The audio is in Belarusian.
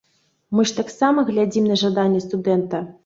Мы ж таксама глядзім на жаданне студэнта.